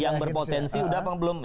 yang berpotensi udah apa belum